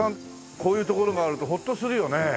こういう所があるとホッとするよね。